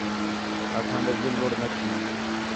آکھان٘دے ڄُل لُڑھ نہ کھی